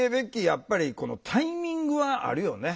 やっぱりこのタイミングはあるよね。